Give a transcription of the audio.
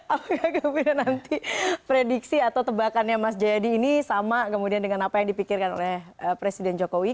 apakah kemudian nanti prediksi atau tebakannya mas jayadi ini sama kemudian dengan apa yang dipikirkan oleh presiden jokowi